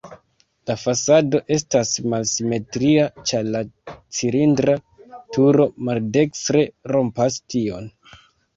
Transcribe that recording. La fasado estas malsimetria, ĉar la cilindra turo maldekstre rompas tion.